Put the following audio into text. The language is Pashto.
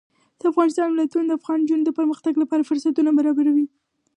د افغانستان ولايتونه د افغان نجونو د پرمختګ لپاره فرصتونه برابروي.